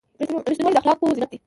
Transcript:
• رښتینولي د اخلاقو زینت دی.